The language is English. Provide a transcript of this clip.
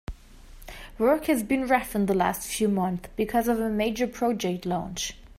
Work has been rough in the last few months because of a major project launch.